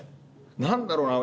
何だろうな？